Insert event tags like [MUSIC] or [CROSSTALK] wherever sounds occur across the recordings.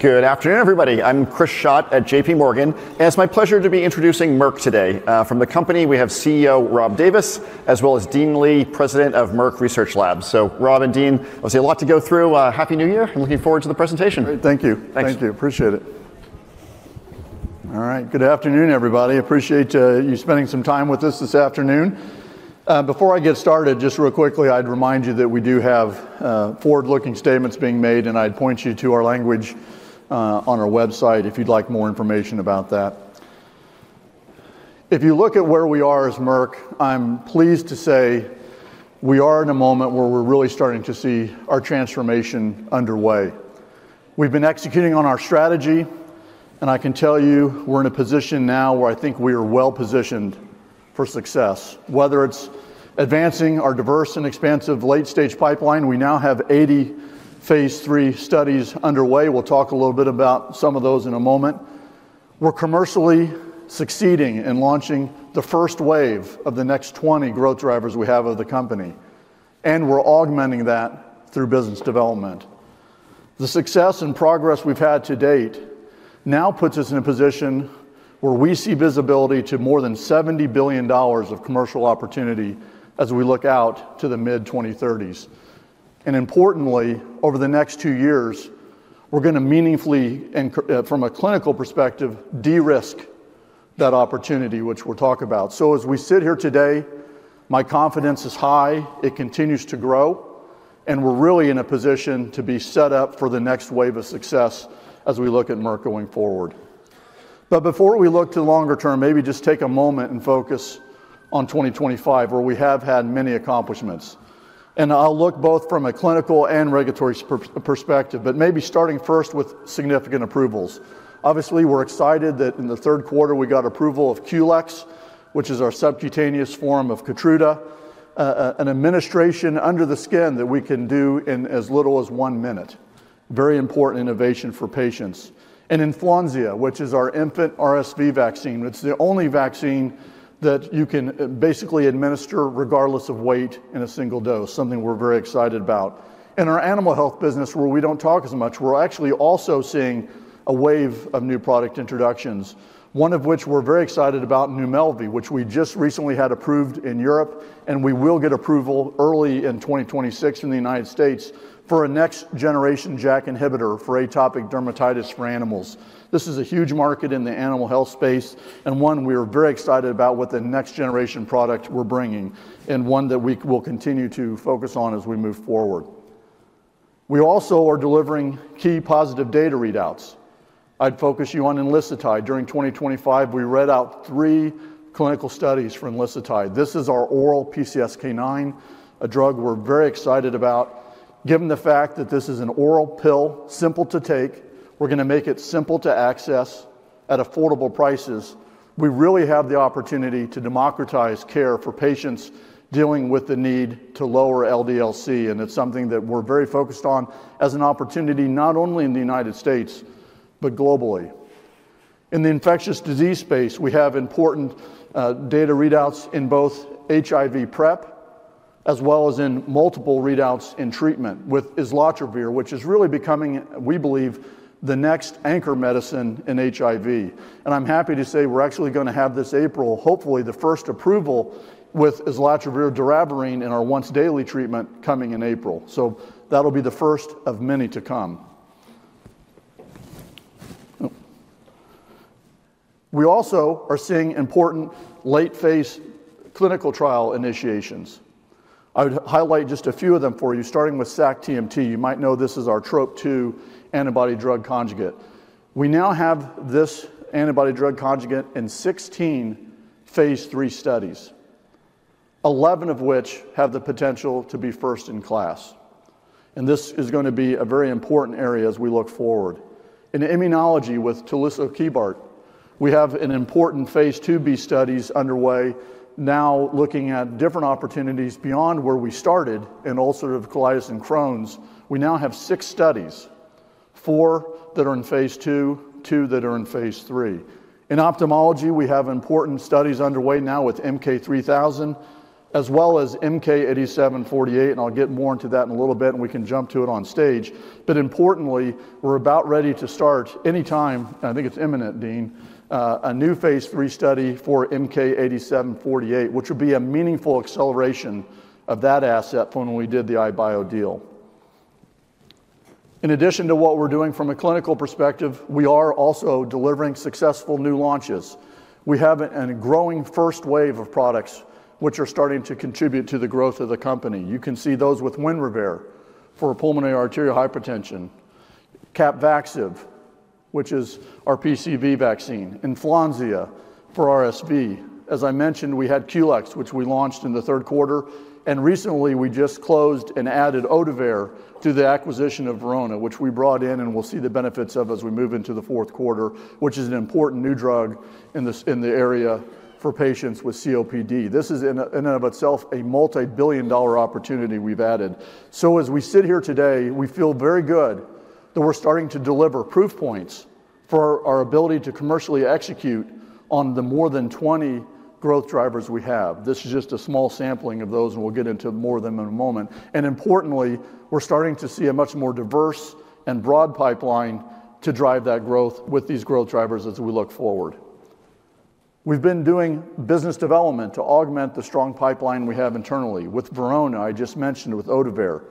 Good afternoon, everybody. I'm Chris Schott at JPMorgan, and it's my pleasure to be introducing Merck today. From the company, we have CEO Rob Davis, as well as Dean Li, President of Merck Research Labs. So, Rob and Dean, I see a lot to go through Happy New Year. I'm looking forward to the presentation. Thank you. Thank you. Appreciate it. All right. Good afternoon, everybody. Appreciate you spending some time with us this afternoon. Before I get started, just real quickly, I'd remind you that we do have forward-looking statements being made, and I'd point you to our language on our website if you'd like more information about that. If you look at where we are as Merck, I'm pleased to say we are in a moment where we're really starting to see our transformation underway. We've been executing on our strategy, and I can tell you we're in a position now where I think we are well-positioned for success. Whether it's advancing our diverse and expansive late-stage pipeline, we now have 80 phase three studies underway. We'll talk a little bit about some of those in a moment. We're commercially succeeding in launching the first wave of the next 20 growth drivers we have of the company, and we're augmenting that through business development. The success and progress we've had to date now puts us in a position where we see visibility to more than $70 billion of commercial opportunity as we look out to the mid-2030s. And importantly, over the next two years, we're going to meaningfully, from a clinical perspective, de-risk that opportunity, which we'll talk about. So, as we sit here today, my confidence is high. It continues to grow, and we're really in a position to be set up for the next wave of success as we look at Merck going forward. But before we look to the longer term, maybe just take a moment and focus on 2025, where we have had many accomplishments. And I'll look both from a clinical and regulatory perspective, but maybe starting first with significant approvals. Obviously, we're excited that in the third quarter we got approval of QLEX, which is our subcutaneous form of Keytruda, an administration under the skin that we can do in as little as one minute. Very important innovation for patients. And clesrovimab, which is our infant RSV vaccine, it's the only vaccine that you can basically administer regardless of weight in a single dose, something we're very excited about. And our animal health business, where we don't talk as much, we're actually also seeing a wave of new product introductions, one of which we're very excited about, NUMELVI, which we just recently had approved in Europe, and we will get approval early in 2026 in the United States for a next-generation JAK inhibitor for atopic dermatitis for animals. This is a huge market in the animal health space, and one we are very excited about with the next-generation product we're bringing, and one that we will continue to focus on as we move forward. We also are delivering key positive data readouts. I'd focus you on enlicitide. During 2025, we read out three clinical studies for enlicitide. This is our oral PCSK9, a drug we're very excited about. Given the fact that this is an oral pill, simple to take, we're going to make it simple to access at affordable prices. We really have the opportunity to democratize care for patients dealing with the need to lower LDL-C, and it's something that we're very focused on as an opportunity not only in the United States, but globally. In the infectious disease space, we have important data readouts in both HIV PrEP as well as in multiple readouts in treatment with islatravir, which is really becoming, we believe, the next anchor medicine in HIV, and I'm happy to say we're actually going to have this April, hopefully the first approval with islatravir/doravirine in our once-daily treatment coming in April. So that'll be the first of many to come. We also are seeing important late-phase clinical trial initiations. I would highlight just a few of them for you, starting with sacituzumab tirumotecan. You might know this is our TROP2 antibody-drug conjugate. We now have this antibody-drug conjugate in 16 phase three studies, 11 of which have the potential to be first-in-class. And this is going to be a very important area as we look forward. In immunology with tulisokibart, we have important phase 2b studies underway, now looking at different opportunities beyond where we started in ulcerative colitis and Crohn's. We now have six studies, four that are in phase two, two that are in phase three. In ophthalmology, we have important studies underway now with MK-3000, as well as MK-8748, and I'll get more into that in a little bit, and we can jump to it on stage. But importantly, we're about ready to start anytime, and I think it's imminent, Dean, a new phase three study for MK-8748, which would be a meaningful acceleration of that asset from when we did the EyeBio deal. In addition to what we're doing from a clinical perspective, we are also delivering successful new launches. We have a growing first wave of products which are starting to contribute to the growth of the company. You can see those with Winrevair for pulmonary arterial hypertension, Capvaxive, which is our PCV vaccine, clesrovimab for RSV. As I mentioned, we had QLEX, which we launched in the third quarter, and recently we just closed and added Ohtuvayre to the acquisition of Verona, which we brought in and we'll see the benefits of as we move into the fourth quarter, which is an important new drug in the area for patients with COPD. This is in and of itself a multi-billion-dollar opportunity we've added, so as we sit here today, we feel very good that we're starting to deliver proof points for our ability to commercially execute on the more than 20 growth drivers we have. This is just a small sampling of those, and we'll get into more of them in a moment. Importantly, we're starting to see a much more diverse and broad pipeline to drive that growth with these growth drivers as we look forward. We've been doing business development to augment the strong pipeline we have internally with Verona, I just mentioned, with Ohtuvayre,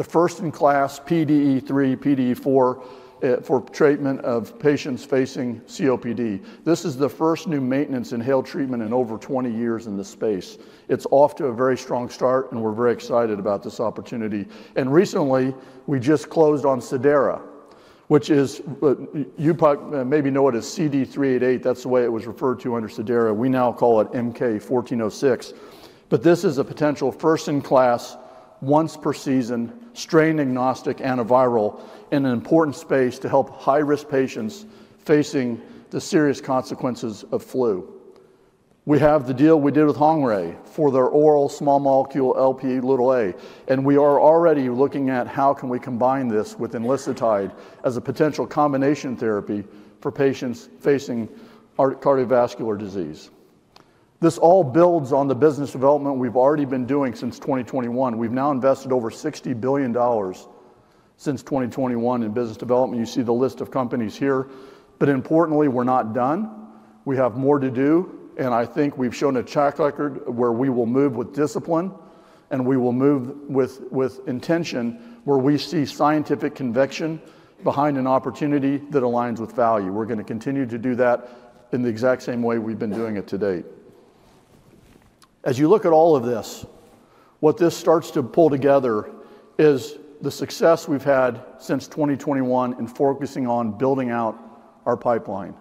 the first-in-class PDE3, PDE4 for treatment of patients facing COPD. This is the first new maintenance inhaled treatment in over 20 years in this space. It's off to a very strong start, and we're very excited about this opportunity. Recently, we just closed on Cidara, which is, you maybe know it as CD388. That's the way it was referred to under Cidara. We now call it MK1406. But this is a potential first-in-class, once-per-season, strain-agnostic antiviral in an important space to help high-risk patients facing the serious consequences of flu. We have the deal we did with Hengrui for their oral small molecule Lp(a), and we are already looking at how can we combine this with enlicitide as a potential combination therapy for patients facing cardiovascular disease. This all builds on the business development we've already been doing since 2021. We've now invested over $60 billion since 2021 in business development. You see the list of companies here. But importantly, we're not done. We have more to do, and I think we've shown a track record where we will move with discipline, and we will move with intention where we see scientific conviction behind an opportunity that aligns with value. We're going to continue to do that in the exact same way we've been doing it to date. As you look at all of this, what this starts to pull together is the success we've had since 2021 in focusing on building out our pipeline.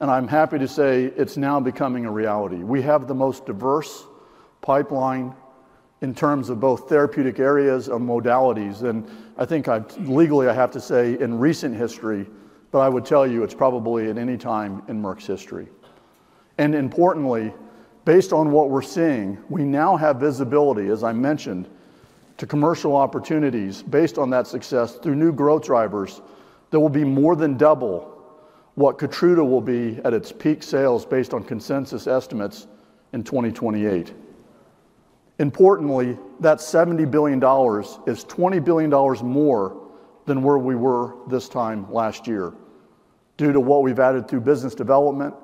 And I'm happy to say it's now becoming a reality. We have the most diverse pipeline in terms of both therapeutic areas and modalities. And I think I legally I have to say in recent history, but I would tell you it's probably at any time in Merck's history. And importantly, based on what we're seeing, we now have visibility, as I mentioned, to commercial opportunities based on that success through new growth drivers that will be more than double what Keytruda will be at its peak sales based on consensus estimates in 2028. Importantly, that $70 billion is $20 billion more than where we were this time last year due to what we've added through business development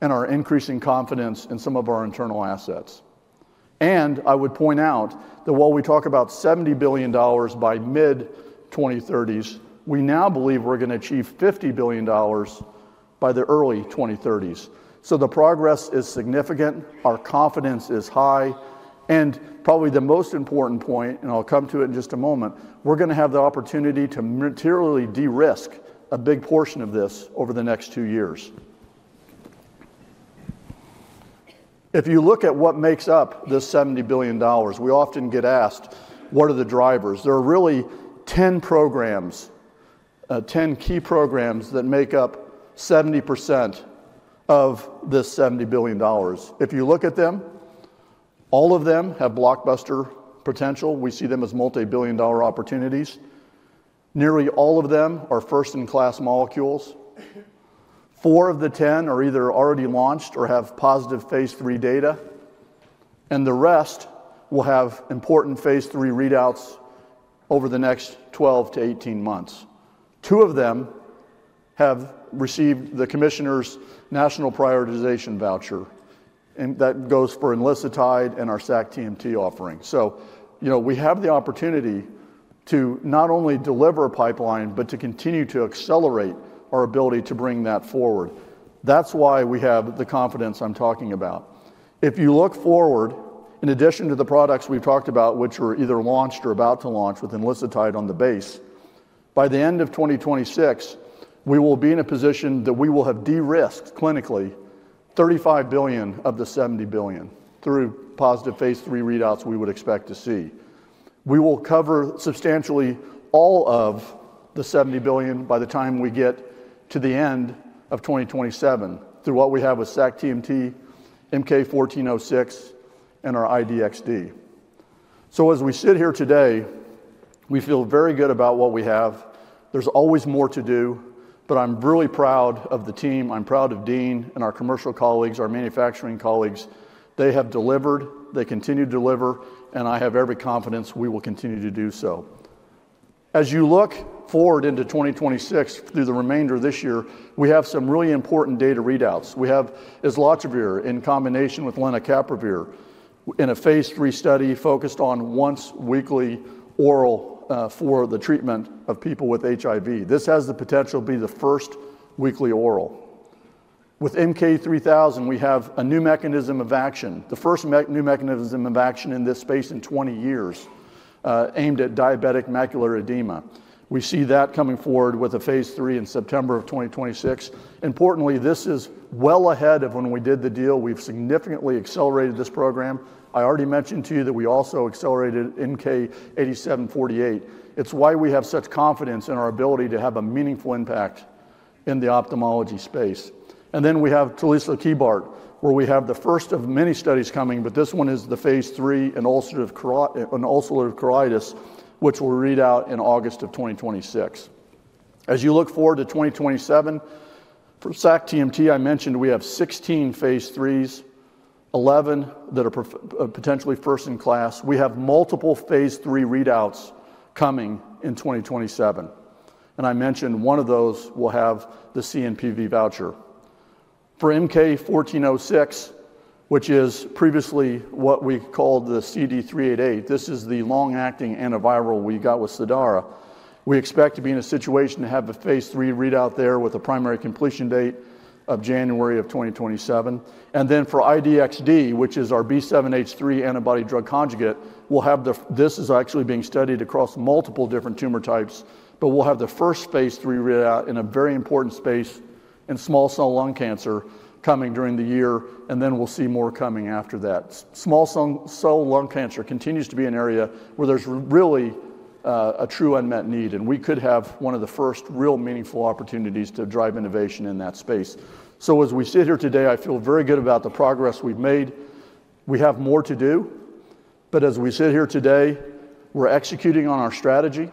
and our increasing confidence in some of our internal assets. And I would point out that while we talk about $70 billion by mid-2030s, we now believe we're going to achieve $50 billion by the early 2030s. So the progress is significant, our confidence is high, and probably the most important point, and I'll come to it in just a moment, we're going to have the opportunity to materially de-risk a big portion of this over the next two years. If you look at what makes up this $70 billion, we often get asked, what are the drivers? There are really 10 programs, 10 key programs that make up 70% of this $70 billion. If you look at them, all of them have blockbuster potential. We see them as multi-billion-dollar opportunities. Nearly all of them are first-in-class molecules. Four of the 10 are either already launched or have positive phase three data, and the rest will have important phase three readouts over the next 12 to 18 months. Two of them have received the Commissioner's National Prioritization Voucher, and that goes for enlicitide and our sacituzumab tirumotecan offering. So we have the opportunity to not only deliver a pipeline, but to continue to accelerate our ability to bring that forward. That's why we have the confidence I'm talking about. If you look forward, in addition to the products we've talked about, which were either launched or about to launch with enlicitide on the base, by the end of 2026, we will be in a position that we will have de-risked clinically $35 billion of the $70 billion through positive phase 3 readouts we would expect to see. We will cover substantially all of the $70 billion by the time we get to the end of 2027 through what we have with sacituzumab tirumotecan, MK1406, and our I-DXd. So as we sit here today, we feel very good about what we have. There's always more to do, but I'm really proud of the team. I'm proud of Dean and our commercial colleagues, our manufacturing colleagues. They have delivered, they continue to deliver, and I have every confidence we will continue to do so. As you look forward into 2026 through the remainder of this year, we have some really important data readouts. We have islatravir in combination with lenacapavir in a phase three study focused on once-weekly oral for the treatment of people with HIV. This has the potential to be the first weekly oral. With MK3000, we have a new mechanism of action, the first new mechanism of action in this space in 20 years aimed at diabetic macular edema. We see that coming forward with a phase three in September of 2026. Importantly, this is well ahead of when we did the deal. We've significantly accelerated this program. I already mentioned to you that we also accelerated MK8748. It's why we have such confidence in our ability to have a meaningful impact in the ophthalmology space. And then we have tulisokibart, where we have the first of many studies coming, but this one is the phase three in ulcerative colitis, which will read out in August of 2026. As you look forward to 2027, for sacituzumab tirumotecan, I mentioned we have 16 phase threes, 11 that are potentially first-in-class. We have multiple phase three readouts coming in 2027. And I mentioned one of those will have the CNPV voucher. For MK1406, which is previously what we called the CD388, this is the long-acting antiviral we got with Cidara. We expect to be in a situation to have a phase three readout there with a primary completion date of January of 2027. Then for I-DXd, which is our B7-H3 antibody-drug conjugate, we'll have the, this is actually being studied across multiple different tumor types, but we'll have the first phase 3 readout in a very important space in small cell lung cancer coming during the year, and then we'll see more coming after that. Small cell lung cancer continues to be an area where there's really a true unmet need, and we could have one of the first real meaningful opportunities to drive innovation in that space. So as we sit here today, I feel very good about the progress we've made. We have more to do, but as we sit here today, we're executing on our strategy.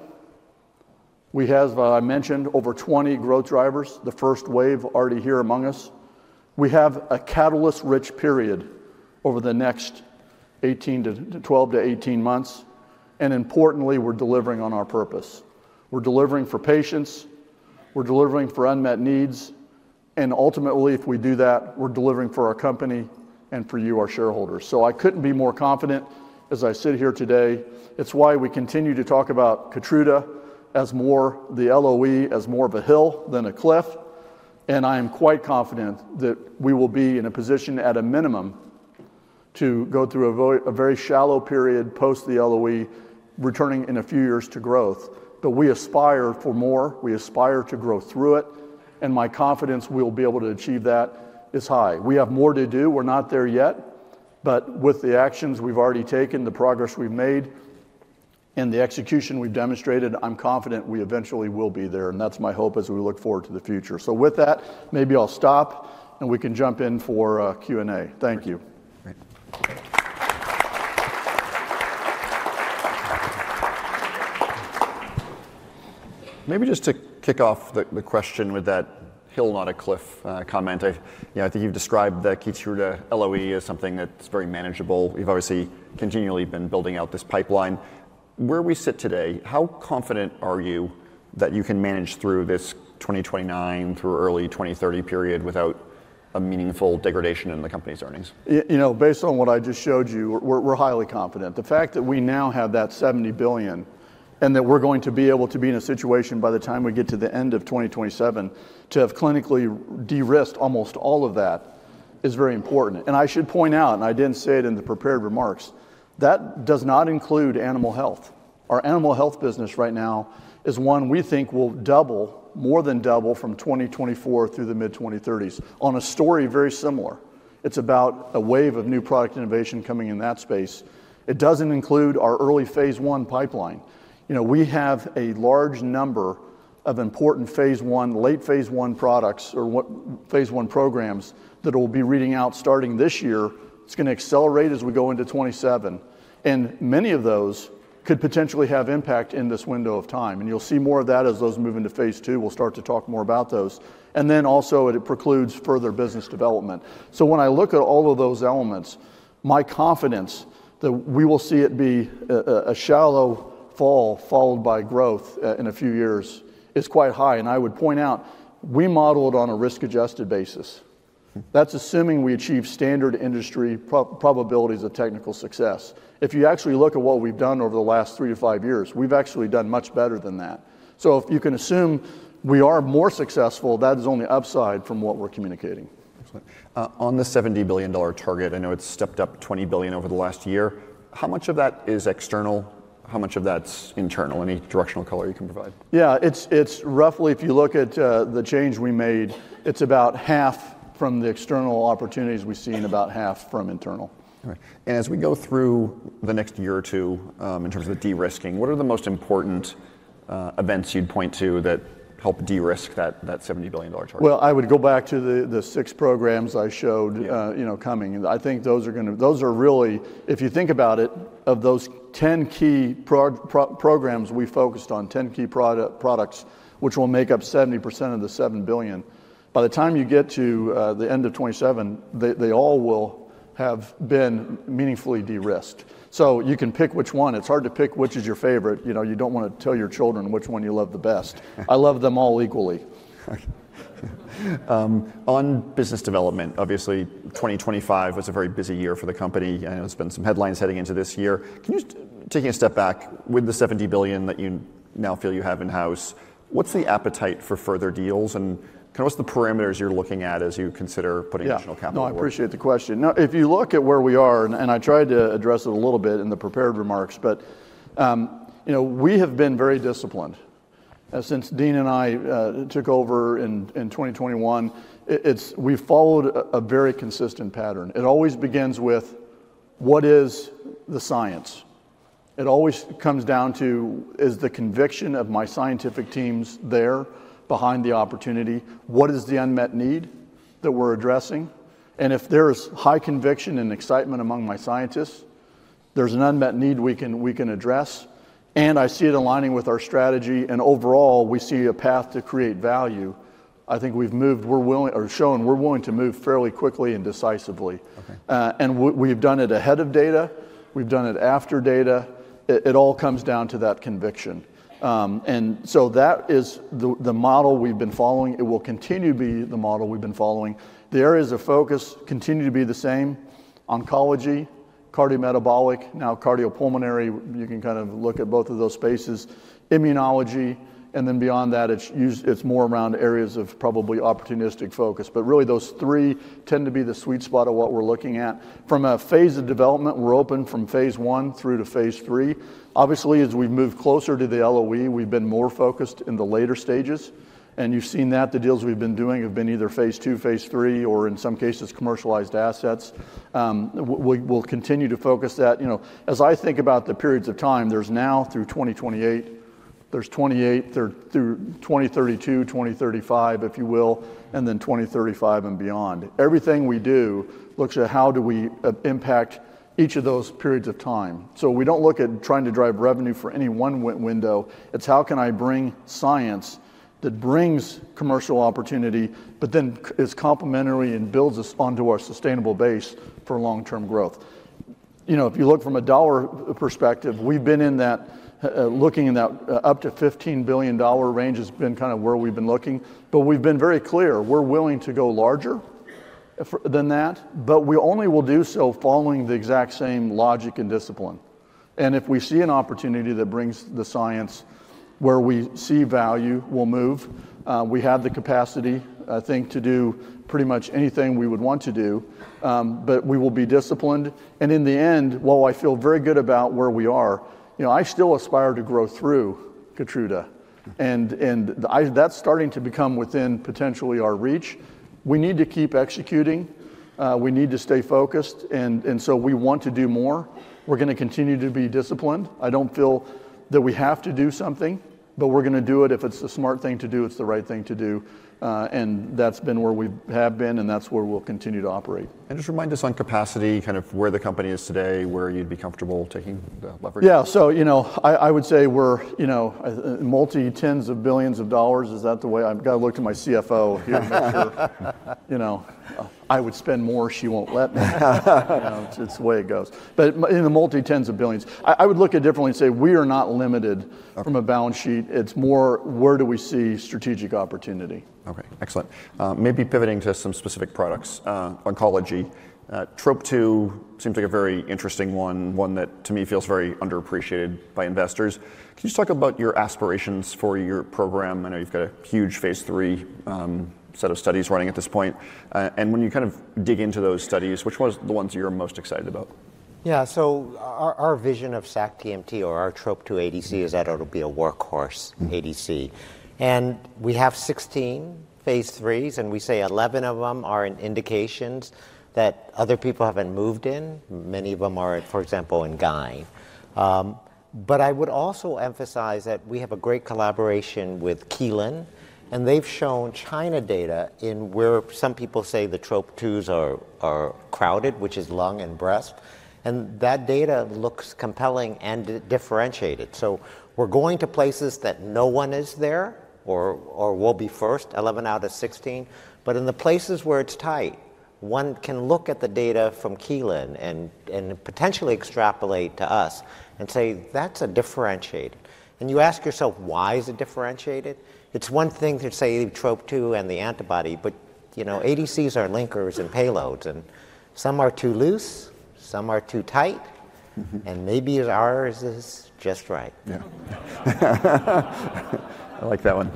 We have, I mentioned, over 20 growth drivers, the first wave already here among us. We have a catalyst-rich period over the next 12 to 18 months, and importantly, we're delivering on our purpose. We're delivering for patients, we're delivering for unmet needs, and ultimately, if we do that, we're delivering for our company and for you, our shareholders. So I couldn't be more confident as I sit here today. It's why we continue to talk about Keytruda as more the LOE, as more of a hill than a cliff, and I am quite confident that we will be in a position, at a minimum, to go through a very shallow period post the LOE, returning in a few years to growth. But we aspire for more, we aspire to grow through it, and my confidence we'll be able to achieve that is high. We have more to do, we're not there yet, but with the actions we've already taken, the progress we've made, and the execution we've demonstrated, I'm confident we eventually will be there, and that's my hope as we look forward to the future. So with that, maybe I'll stop and we can jump in for Q&A. Thank you. Maybe just to kick off the question with that hill, not a cliff comment, I think you've described the Keytruda LOE as something that's very manageable. You've obviously continually been building out this pipeline. Where we sit today, how confident are you that you can manage through this 2029 through early 2030 period without a meaningful degradation in the company's earnings? Based on what I just showed you, we're highly confident. The fact that we now have that $70 billion and that we're going to be able to be in a situation by the time we get to the end of 2027 to have clinically de-risked almost all of that is very important, and I should point out, and I didn't say it in the prepared remarks, that does not include animal health. Our animal health business right now is one we think will double, more than double from 2024 through the mid-2030s on a story very similar. It's about a wave of new product innovation coming in that space. It doesn't include our early phase one pipeline. We have a large number of important phase one, late phase one products or phase one programs that will be reading out starting this year. It's going to accelerate as we go into 2027, and many of those could potentially have impact in this window of time. And you'll see more of that as those move into phase two. We'll start to talk more about those. And then also it precludes further business development. So when I look at all of those elements, my confidence that we will see it be a shallow fall followed by growth in a few years is quite high. And I would point out we model it on a risk-adjusted basis. That's assuming we achieve standard industry probabilities of technical success. If you actually look at what we've done over the last three to five years, we've actually done much better than that. So if you can assume we are more successful, that is only upside from what we're communicating. On the $70 billion target, I know it's stepped up $20 billion over the last year. How much of that is external? How much of that's internal? Any directional color you can provide? Yeah, it's roughly, if you look at the change we made, it's about half from the external opportunities we've seen, about half from internal. And as we go through the next year or two in terms of the de-risking, what are the most important events you'd point to that help de-risk that $70 billion target? Well, I would go back to the six programs I showed coming. I think those are going to, those are really, if you think about it, of those 10 key programs we focused on, 10 key products which will make up 70% of the $70 billion. By the time you get to the end of 2027, they all will have been meaningfully de-risked. You can pick which one. It's hard to pick which is your favorite. You don't want to tell your children which one you love the best. I love them all equally. On business development, obviously, 2025 was a very busy year for the company. I know there's been some headlines heading into this year. Can you take a step back with the $70 billion that you now feel you have in-house? What's the appetite for further deals and kind of what's the parameters you're looking at as you consider putting additional capital? No, I appreciate the question. If you look at where we are, and I tried to address it a little bit in the prepared remarks, but we have been very disciplined. Since Dean and I took over in 2021, we've followed a very consistent pattern. It always begins with what is the science. It always comes down to, is the conviction of my scientific teams there behind the opportunity? What is the unmet need that we're addressing? And if there is high conviction and excitement among my scientists, there's an unmet need we can address. And I see it aligning with our strategy. And overall, we see a path to create value. I think we've moved, we're willing or shown we're willing to move fairly quickly and decisively. And we've done it ahead of data. We've done it after data. It all comes down to that conviction. And so that is the model we've been following. It will continue to be the model we've been following. The areas of focus continue to be the same: oncology, cardiometabolic, now cardiopulmonary. You can kind of look at both of those spaces: immunology. And then beyond that, it's more around areas of probably opportunistic focus. But really, those three tend to be the sweet spot of what we're looking at. From a phase of development, we're open from phase one through to phase three. Obviously, as we've moved closer to the LOE, we've been more focused in the later stages. And you've seen that the deals we've been doing have been either phase two, phase three, or in some cases, commercialized assets. We'll continue to focus that. As I think about the periods of time, there's now through 2028, there's 2028 through 2032, 2035, if you will, and then 2035 and beyond. Everything we do looks at how do we impact each of those periods of time. So we don't look at trying to drive revenue for any one window. It's how can I bring science that brings commercial opportunity, but then is complementary and builds us onto our sustainable base for long-term growth. If you look from a dollar perspective, we've been in that up to $15 billion range has been kind of where we've been looking. But we've been very clear. We're willing to go larger than that, but we only will do so following the exact same logic and discipline, and if we see an opportunity that brings the science where we see value, we'll move. We have the capacity, I think, to do pretty much anything we would want to do, but we will be disciplined, and in the end, while I feel very good about where we are, I still aspire to grow through Keytruda, and that's starting to become within potentially our reach. We need to keep executing. We need to stay focused, and so we want to do more. We're going to continue to be disciplined. I don't feel that we have to do something, but we're going to do it. If it's the smart thing to do, it's the right thing to do. And that's been where we have been, and that's where we'll continue to operate. And just remind us on capacity, kind of where the company is today, where you'd be comfortable taking the leverage. Yeah. So I would say we're multi-tens of billions of dollars. Is that the way I've got to look to my CFO here? I would spend more. She won't let me. It's the way it goes, but in the multi-tens of billions, I would look at it differently and say we are not limited from a balance sheet. It's more where do we see strategic opportunity. Okay. Excellent. Maybe pivoting to some specific products, oncology. TROP2 seems like a very interesting one, one that to me feels very underappreciated by investors. Can you just talk about your aspirations for your program? I know you've got a huge phase 3 set of studies running at this point. And when you kind of dig into those studies, which ones are the ones you're most excited about? Yeah. So our vision of sacituzumab tirumotecan or our TROP2 ADC is that it'll be a workhorse ADC. And we have 16 phase 3s, and we say 11 of them are in indications that other people haven't moved in. Many of them are, for example, in gyn. But I would also emphasize that we have a great collaboration with Kelun, and they've shown China data in where some people say the TROP2s are crowded, which is lung and breast. And that data looks compelling and differentiated. So we're going to places that no one is there or will be first, 11 out of 16. But in the places where it's tight, one can look at the data from Kelun and potentially extrapolate to us and say, "That's a differentiated." And you ask yourself, "Why is it differentiated?" It's one thing to say TROP2 and the antibody, but ADCs are linkers and payloads, and some are too loose, some are too tight, and maybe ours is just right. I like that one.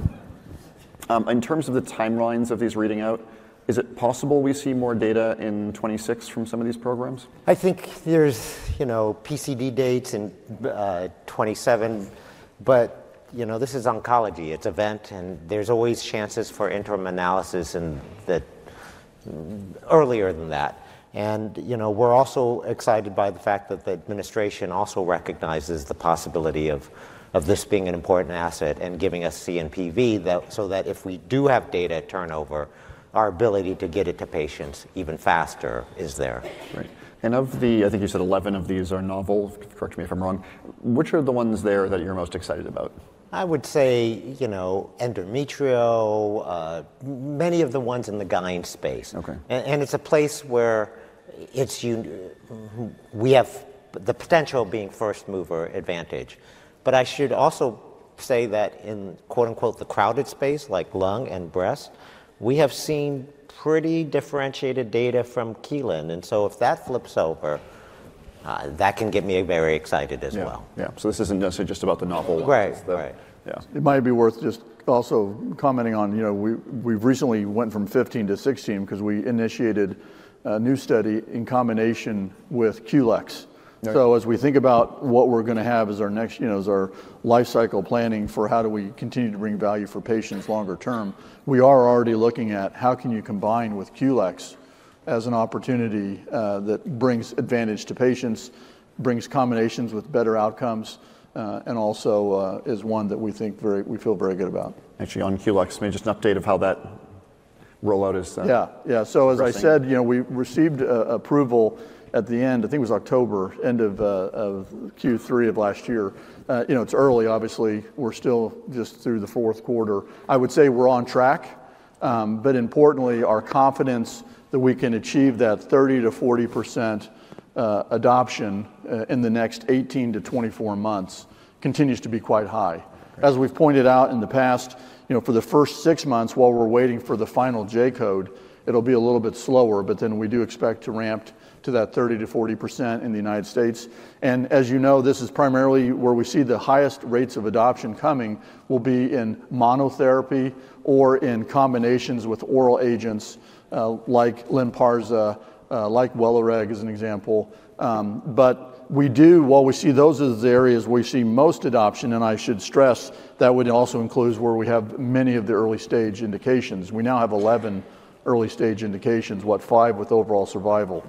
In terms of the timelines of these reading out, is it possible we see more data in 2026 from some of these programs? I think there's PCD dates in 2027, but this is oncology. It's event, and there's always chances for interim analysis earlier than that. And we're also excited by the fact that the administration also recognizes the possibility of this being an important asset and giving us CNPV so that if we do have data turnover, our ability to get it to patients even faster is there. And of the, I think you said 11 of these are novel. Correct me if I'm wrong. Which are the ones there that you're most excited about? I would say endometrial, many of the ones in the GYN space. And it's a place where we have the potential of being first mover advantage. But I should also say that in "the crowded space," like lung and breast, we have seen pretty differentiated data from Kelun. And so if that flips over, that can get me very excited as well. Yeah. So this isn't necessarily just about the novel. Right. It might be worth just also commenting on. We've recently went from 15 to 16 because we initiated a new study in combination with QLEX. So as we think about what we're going to have as our next life cycle planning for how do we continue to bring value for patients longer term, we are already looking at how can you combine with QLEX as an opportunity that brings advantage to patients, brings combinations with better outcomes, and also is one that we think we feel very good about. Actually, on QLEX, maybe just an update of how that rollout is. Yeah. Yeah. So as I said, we received approval at the end, I think it was October, end of Q3 of last year. It's early, obviously. We're still just through the fourth quarter. I would say we're on track. Importantly, our confidence that we can achieve that 30% to 40% adoption in the next 18 to 24 months continues to be quite high. As we've pointed out in the past, for the first six months, while we're waiting for the final J code, it'll be a little bit slower, but then we do expect to ramp to that 30% to 40% in the United States. And as you know, this is primarily where we see the highest rates of adoption coming will be in monotherapy or in combinations with oral agents like Lynparza, like Welireg as an example. But while we see those as the areas where we see most adoption, and I should stress that would also include where we have many of the early stage indications. We now have 11 early stage indications, five with overall survival.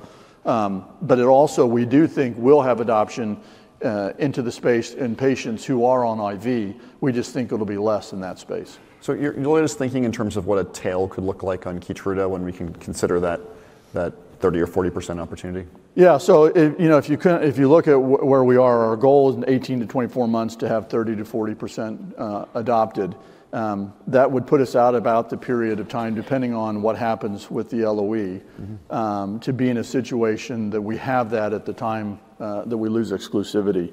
But it also, we do think we'll have adoption into the space in patients who are on IV. We just think it'll be less in that space. So you're always thinking in terms of what a tail could look like on Keytruda when we can consider that 30% or 40% opportunity. Yeah. So if you look at where we are, our goal is in 18-24 months to have 30% to 40% adopted. That would put us out about the period of time depending on what happens with the LOE to be in a situation that we have that at the time that we lose exclusivity.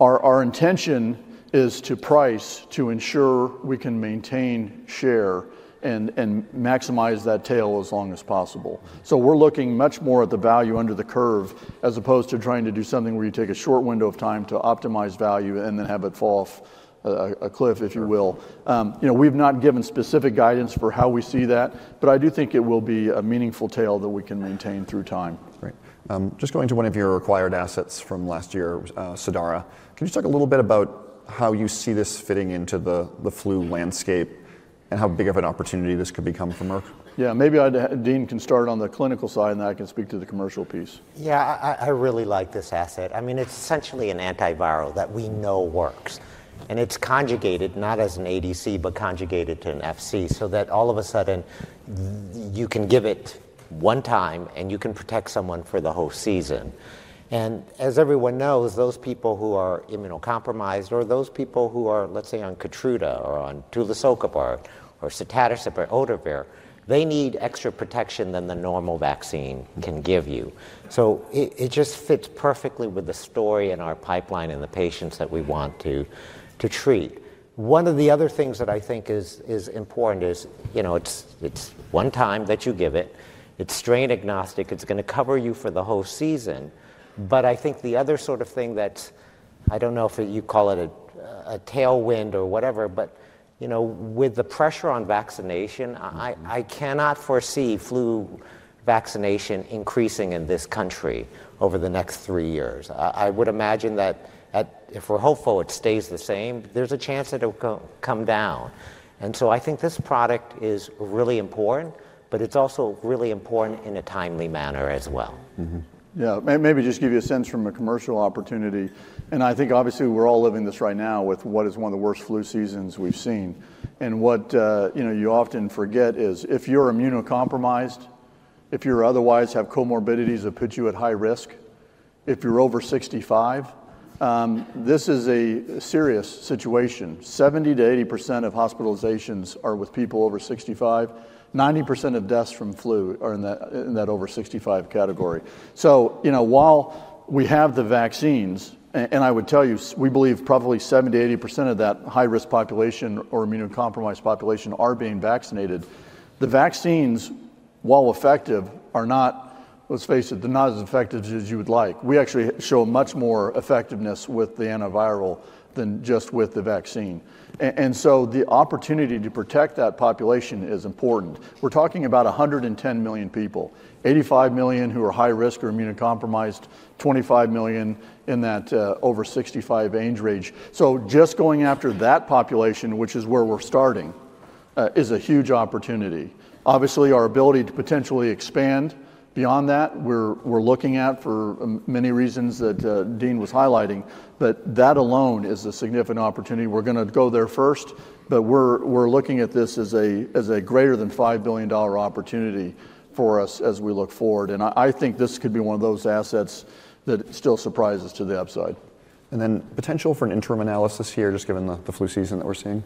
Our intention is to price to ensure we can maintain share and maximize that tail as long as possible. So we're looking much more at the value under the curve as opposed to trying to do something where you take a short window of time to optimize value and then have it fall off a cliff, if you will. We've not given specific guidance for how we see that, but I do think it will be a meaningful tail that we can maintain through time. Just going to one of your acquired assets from last year, Cidara, can you talk a little bit about how you see this fitting into the flu landscape and how big of an opportunity this could become for Merck? Yeah. Maybe Dean can start on the clinical side and then I can speak to the commercial piece. Yeah. I really like this asset. I mean, it's essentially an antiviral that we know works. And it's conjugated, not as an ADC, but conjugated to an FC so that all of a sudden you can give it one time and you can protect someone for the whole season. And as everyone knows, those people who are immunocompromised or those people who are, let's say, on Keytruda or on tulisokibart or sotatercept or Ohtuvayre, they need extra protection than the normal vaccine can give you. So it just fits perfectly with the story and our pipeline and the patients that we want to treat. One of the other things that I think is important is it's one time that you give it. It's strain agnostic. It's going to cover you for the whole season. But I think the other sort of thing that's, I don't know if you call it a tailwind or whatever, but with the pressure on vaccination, I cannot foresee flu vaccination increasing in this country over the next three years. I would imagine that if we're hopeful it stays the same; there's a chance it'll come down. And so I think this product is really important, but it's also really important in a timely manner as well. Yeah. Maybe just give you a sense from a commercial opportunity. And I think obviously we're all living this right now with what is one of the worst flu seasons we've seen. And what you often forget is if you're immunocompromised, if you otherwise have comorbidities that put you at high risk, if you're over 65, this is a serious situation. 70% to 80% of hospitalizations are with people over 65. 90% of deaths from flu are in that over 65 category. So while we have the vaccines, and I would tell you, we believe probably 70% to 80% of that high-risk population or immunocompromised population are being vaccinated, the vaccines, while effective, are not, let's face it, they're not as effective as you would like. We actually show much more effectiveness with the antiviral than just with the vaccine. And so the opportunity to protect that population is important. We're talking about 110 million people, 85 million who are high risk or immunocompromised, 25 million in that over 65 age range. So just going after that population, which is where we're starting, is a huge opportunity. Obviously, our ability to potentially expand beyond that, we're looking at for many reasons that Dean was highlighting, but that alone is a significant opportunity. We're going to go there first, but we're looking at this as a greater than $5 billion opportunity for us as we look forward, and I think this could be one of those assets that still surprises to the upside. And then potential for an interim analysis here just given the flu season that we're seeing.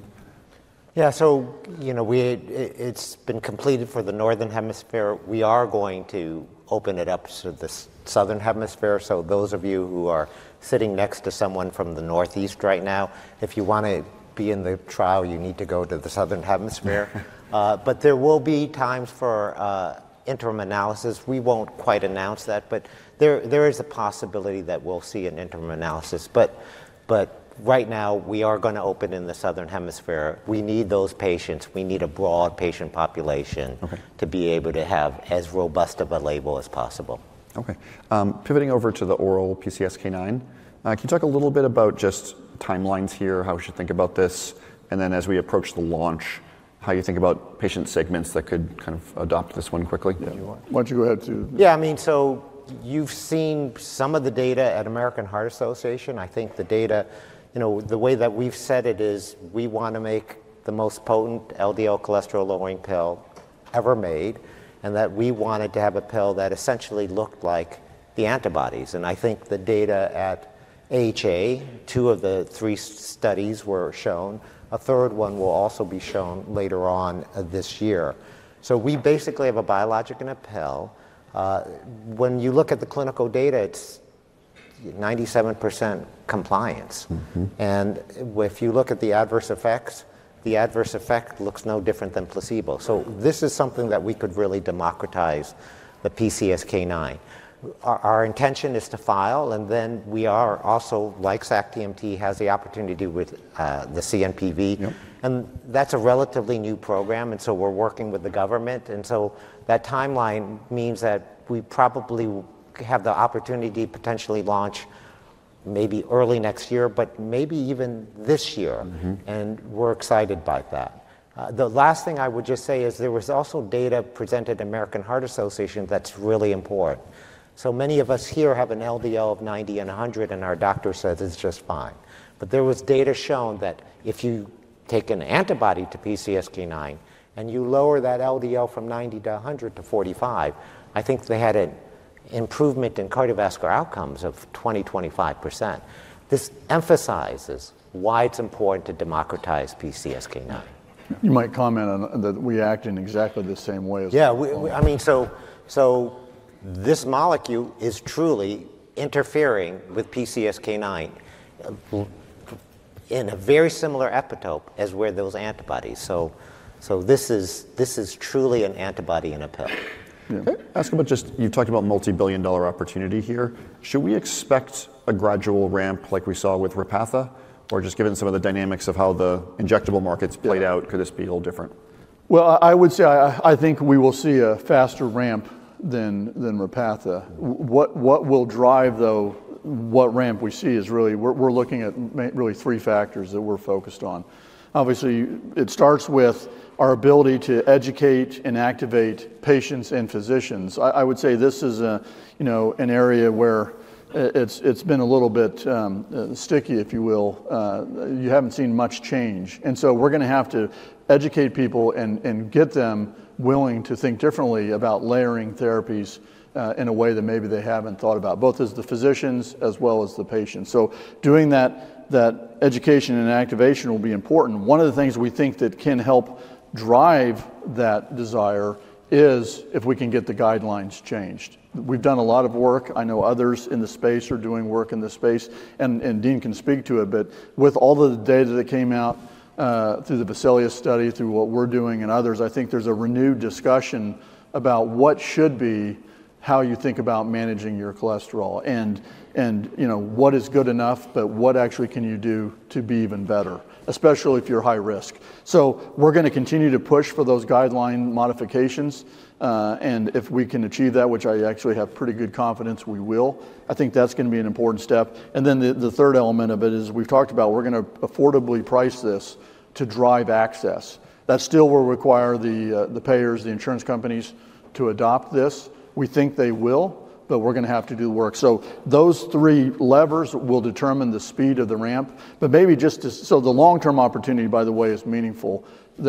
Yeah, so it's been completed for the northern hemisphere. We are going to open it up to the southern hemisphere, so those of you who are sitting next to someone from the northeast right now, if you want to be in the trial, you need to go to the southern hemisphere, but there will be times for interim analysis. We won't quite announce that, but there is a possibility that we'll see an interim analysis, but right now, we are going to open in the southern hemisphere. We need those patients. We need a broad patient population to be able to have as robust of a label as possible. Okay. Pivoting over to the oral PCSK9, can you talk a little bit about just timelines here, how we should think about this, and then as we approach the launch, how you think about patient segments that could kind of adopt this one quickly? Yeah. Why don't you go ahead, too. Yeah. I mean, so you've seen some of the data at American Heart Association. I think the data, the way that we've said it is we want to make the most potent LDL cholesterol-lowering pill ever made and that we wanted to have a pill that essentially looked like the antibodies. And I think the data at AHA, two of the three studies were shown. A third one will also be shown later on this year. So we basically have a biologic and a pill. When you look at the clinical data, it's 97% compliance. And if you look at the adverse effects, the adverse effect looks no different than placebo. So this is something that we could really democratize the PCSK9. Our intention is to file, and then we are also, like sacituzumab tirumotecan, has the opportunity with the CNPV. And that's a relatively new program. And so we're working with the government. And so that timeline means that we probably have the opportunity to potentially launch maybe early next year, but maybe even this year. And we're excited by that. The last thing I would just say is there was also data presented to American Heart Association that's really important. So many of us here have an LDL of 90 and 100, and our doctor says it's just fine. But there was data shown that if you take an antibody to PCSK9 and you lower that LDL from 90-100 to 45, I think they had an improvement in cardiovascular outcomes of 20% to 25%. This emphasizes why it's important to democratize PCSK9. You might comment on that we act in exactly the same way as. Yeah. I mean, so this molecule is truly interfering with PCSK9 in a very similar epitope as where those antibodies. So this is truly an antibody and a pill. Ask about just you've talked about multi-billion dollar opportunity here. Should we expect a gradual ramp like we saw with Repatha, or just given some of the dynamics of how the injectable markets played out, could this be a little different? Well, I would say I think we will see a faster ramp than Repatha. What will drive, though, what ramp we see is really we're looking at really three factors that we're focused on. Obviously, it starts with our ability to educate and activate patients and physicians. I would say this is an area where it's been a little bit sticky, if you will. You haven't seen much change, and so we're going to have to educate people and get them willing to think differently about layering therapies in a way that maybe they haven't thought about, both as the physicians as well as the patients, so doing that education and activation will be important. One of the things we think that can help drive that desire is if we can get the guidelines changed. We've done a lot of work. I know others in the space are doing work in the space, and Dean can speak to it. But with all the data that came out through the Baselius study, through what we're doing and others, I think there's a renewed discussion about what should be how you think about managing your cholesterol and what is good enough, but what actually can you do to be even better, especially if you're high risk. So we're going to continue to push for those guideline modifications. And if we can achieve that, which I actually have pretty good confidence we will, I think that's going to be an important step. And then the third element of it is we've talked about we're going to affordably price this to drive access. That's still will require the payers, the insurance companies to adopt this. We think they will, but we're going to have to do the work. So those three levers will determine the speed of the ramp. But maybe just so the long-term opportunity, by the way, is meaningful.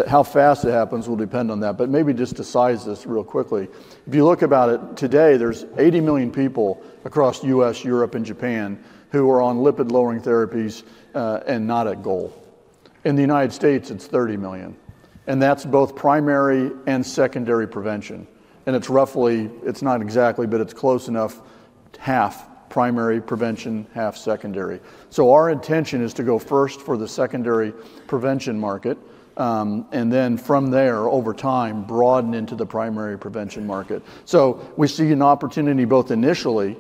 How fast it happens will depend on that. But maybe just to size this real quickly. If you look about it today, there's 80 million people across the U.S., Europe, and Japan who are on lipid-lowering therapies and not at goal. In the United States, it's 30 million. And that's both primary and secondary prevention. And it's roughly, it's not exactly, but it's close enough, half primary prevention, half secondary. So our intention is to go first for the secondary prevention market and then from there, over time, broaden into the primary prevention market. So we see an opportunity both initially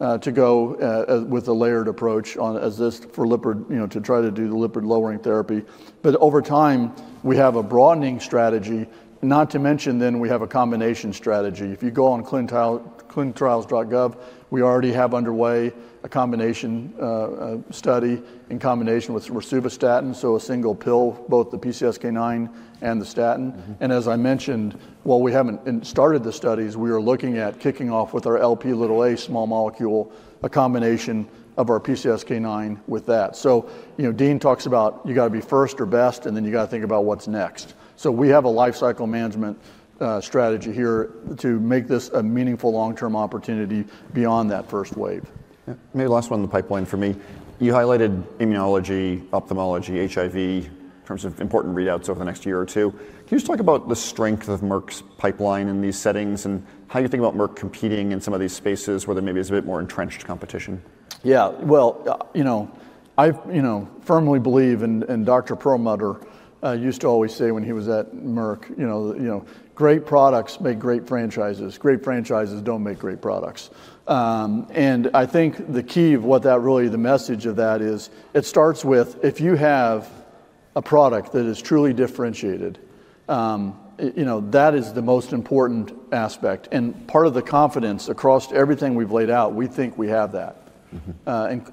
to go with a layered approach as this for lipid to try to do the lipid-lowering therapy. But over time, we have a broadening strategy, not to mention then we have a combination strategy. If you go on ClinicalTrials.gov, we already have underway a combination study in combination with rosuvastatin, so a single pill, both the PCSK9 and the statin. And as I mentioned, while we haven't started the studies, we are looking at kicking off with our Lp(a) small molecule, a combination of our PCSK9 with that. Dean talks about you got to be first or best, and then you got to think about what's next. So we have a lifecycle management strategy here to make this a meaningful long-term opportunity beyond that first wave. Maybe last one in the pipeline for me. You highlighted immunology, ophthalmology, HIV in terms of important readouts over the next year or two. Can you just talk about the strength of Merck's pipeline in these settings and how you think about Merck competing in some of these spaces where there may be a bit more entrenched competition? Yeah. Well, I firmly believe, and Dr. Perlmutter used to always say when he was at Merck, "Great products make great franchises. Great franchises don't make great products." And I think the key of what that really, the message of that is, it starts with if you have a product that is truly differentiated, that is the most important aspect. And part of the confidence across everything we've laid out, we think we have that,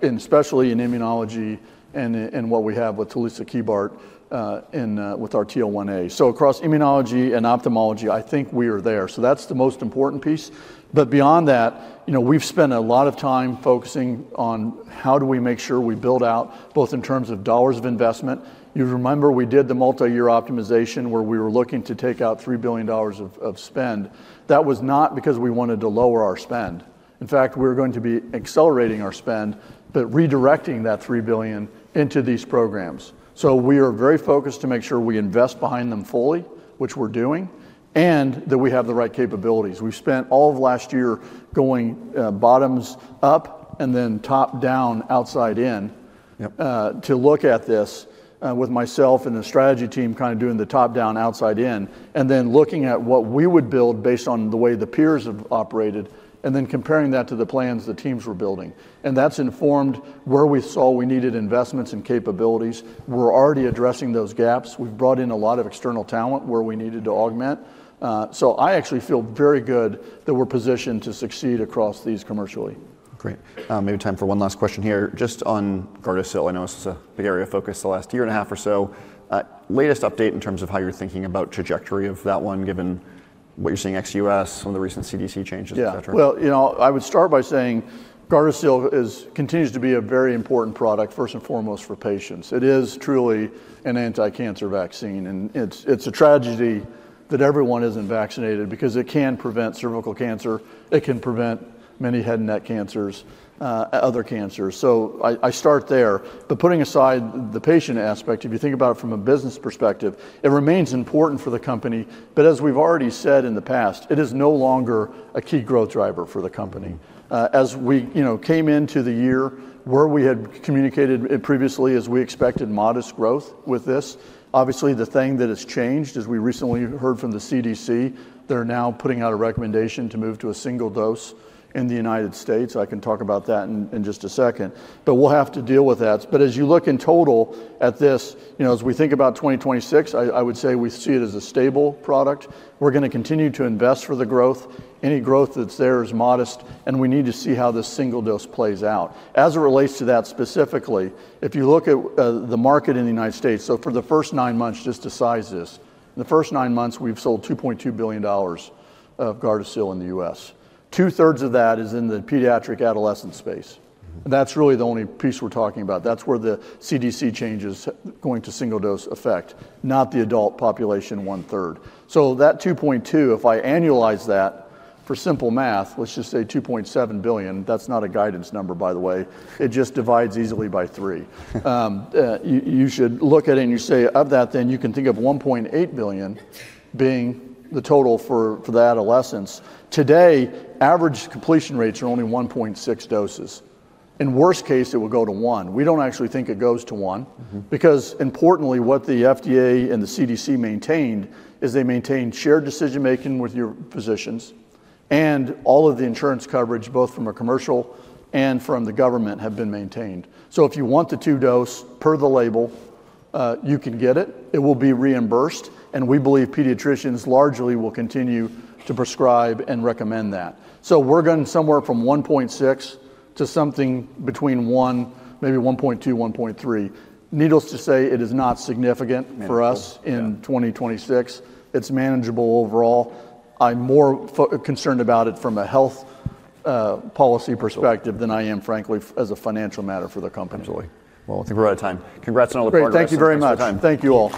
especially in immunology and what we have with tulisokibart and with our TL1A. So across immunology and ophthalmology, I think we are there. So that's the most important piece. But beyond that, we've spent a lot of time focusing on how do we make sure we build out both in terms of dollars of investment. You remember we did the multi-year optimization where we were looking to take out $3 billion of spend. That was not because we wanted to lower our spend. In fact, we're going to be accelerating our spend, but redirecting that $3 billion into these programs. So we are very focused to make sure we invest behind them fully, which we're doing, and that we have the right capabilities. We spent all of last year going bottoms up and then top down outside in to look at this with myself and the strategy team kind of doing the top down outside in and then looking at what we would build based on the way the peers have operated and then comparing that to the plans the teams were building, and that's informed where we saw we needed investments and capabilities. We're already addressing those gaps. We've brought in a lot of external talent where we needed to augment, so I actually feel very good that we're positioned to succeed across these commercially. Great. Maybe time for one last question here just on Gardasil. I know this is a big area of focus the last year and a half or so. Latest update in terms of how you're thinking about trajectory of that one given what you're seeing ex-US, some of the recent CDC changes, etc.? Yeah. Well, I would start by saying Gardasil continues to be a very important product first and foremost for patients. It is truly an anti-cancer vaccine. And it's a tragedy that everyone isn't vaccinated because it can prevent cervical cancer. It can prevent many head and neck cancers, other cancers. So I start there. But putting aside the patient aspect, if you think about it from a business perspective, it remains important for the company. But as we've already said in the past, it is no longer a key growth driver for the company. As we came into the year where we had communicated previously, as we expected modest growth with this. Obviously, the thing that has changed is we recently heard from the CDC. They're now putting out a recommendation to move to a single dose in the United States. I can talk about that in just a second, but we'll have to deal with that, but as you look in total at this, as we think about 2026, I would say we see it as a stable product. We're going to continue to invest for the growth. Any growth that's there is modest, and we need to see how this single dose plays out. As it relates to that specifically, if you look at the market in the United States, so for the first nine months, just to size this, in the first nine months, we've sold $2.2 billion of Gardasil in the US. Two-thirds of that is in the pediatric adolescent space. That's really the only piece we're talking about. That's where the CDC changes going to single-dose effect, not the adult population one-third. That $2.2 billion, if I annualize that for simple math, let's just say $2.7 billion. That's not a guidance number, by the way. It just divides easily by three. You should look at it and you say of that, then you can think of $1.8 billion being the total for the adolescence. Today, average completion rates are only 1.6 doses. In worst case, it will go to one. We don't actually think it goes to one because importantly, what the FDA and the CDC maintained is they maintained shared decision-making with your physicians. All of the insurance coverage, both from a commercial and from the government, have been maintained. If you want the two-dose per the label, you can get it. It will be reimbursed, and we believe pediatricians largely will continue to prescribe and recommend that, so we're going somewhere from 1.6 to something between one, maybe 1.2, 1.3. Needless to say, it is not significant for us in 2026. It's manageable overall. I'm more concerned about it from a health policy perspective than I am, frankly, as a financial matter for the company. Absolutely. Well, I think we're out of time. Congrats on all the progress. [CROSSTALK] Thank you very much. Thank you all.